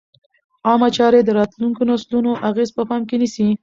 عامه چارې د راتلونکو نسلونو اغېز په پام کې نیسي.